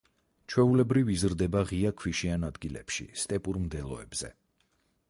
ჩვეულებრივ, იზრდება ღია ქვიშიან ადგილებში, სტეპურ მდელოებზე.